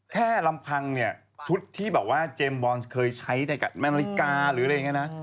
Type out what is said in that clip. แค่ลำคังเนี่ยชุดที่บอกว่าเจมส์บอร์นเคยใช้ในแมนอริกาหรืออะไรอย่างนี้นะ